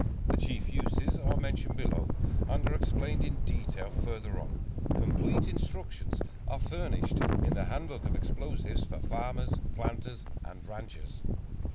The chief uses are mentioned below and are explained in detail further on. Complete instructions are furnished in the "Handbook of Explosives for Farmers, Planters and Ranchers."